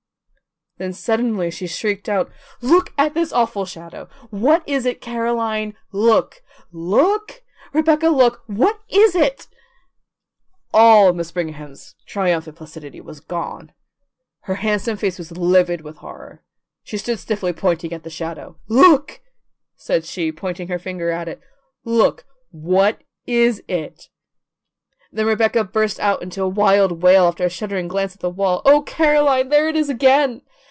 Then suddenly she shrieked out: "Look at this awful shadow! What is it? Caroline, look, look! Rebecca, look! WHAT IS IT?" All Mrs. Brigham's triumphant placidity was gone. Her handsome face was livid with horror. She stood stiffly pointing at the shadow. "Look!" said she, pointing her finger at it. "Look! What is it?" Then Rebecca burst out in a wild wail after a shuddering glance at the wall: "Oh, Caroline, there it is again!